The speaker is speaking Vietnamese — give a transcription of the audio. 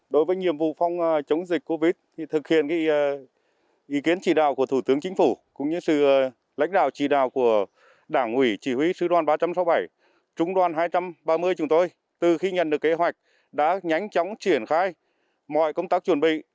đơn vị đã nỗ lực làm tốt công tác bảo vệ toàn hai trăm ba mươi chúng tôi từ khi nhận được kế hoạch đã nhanh chóng triển khai mọi công tác chuẩn bị